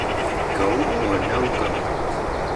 Go Or No Go?